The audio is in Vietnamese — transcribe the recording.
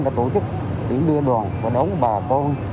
đã tổ chức tiễn đưa đoàn và đống bà con